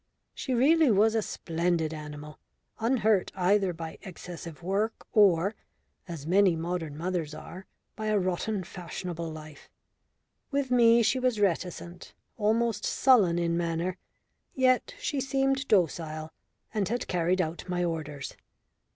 She really was a splendid animal, unhurt either by excessive work or as many modern mothers are by a rotten fashionable life. With me she was reticent, almost sullen in manner; yet she seemed docile and had carried out my orders.